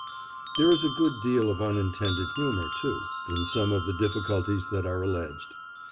There is a good deal of unintended humour, too, in some of the difficulties that are alleged.